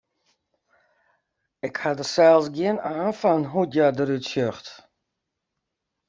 Ik ha der sels gjin aan fan hoe't hja derút sjocht.